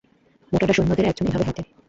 মোটা ডা, সৈন্যদের একজন এভাবে হাটে।